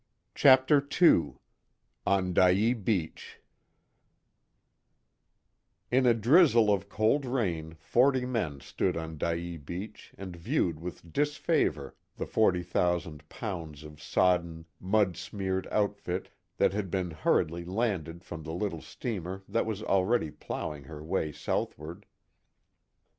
CHAPTER II ON DYEA BEACH In a drizzle of cold rain forty men stood on Dyea beach and viewed with disfavor the forty thousand pounds of sodden, mud smeared outfit that had been hurriedly landed from the little steamer that was already plowing her way southward.